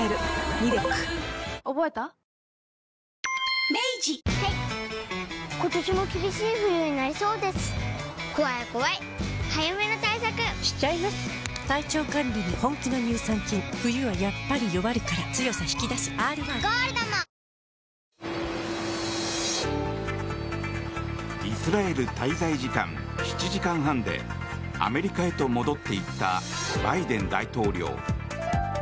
「ＧＯＬＤ」もイスラエル滞在時間７時間半でアメリカへと戻っていったバイデン大統領。